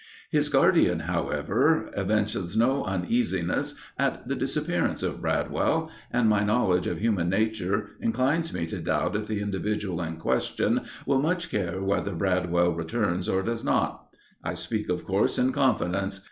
His guardian, however, evinces no uneasiness at the disappearance of Bradwell, and my knowledge of human nature inclines me to doubt if the individual in question will much care whether Bradwell returns or does not. I speak, of course, in confidence.